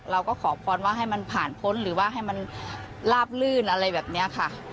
เราก็ขอพรว่าให้มันผ่านพ้นหรือว่าให้มันลาบลื่นอะไรแบบนี้ค่ะ